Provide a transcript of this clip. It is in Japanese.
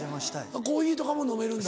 コーヒーとかも飲めるんだ。